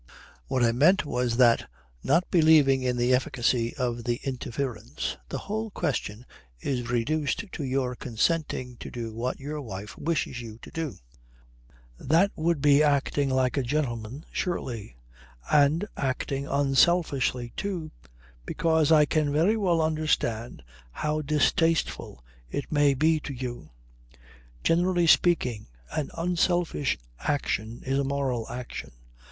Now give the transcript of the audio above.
What I meant was that, not believing in the efficacy of the interference, the whole question is reduced to your consenting to do what your wife wishes you to do. That would be acting like a gentleman, surely. And acting unselfishly too, because I can very well understand how distasteful it may be to you. Generally speaking, an unselfish action is a moral action.